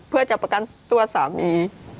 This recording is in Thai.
เพื่อจะประกันตัวสามี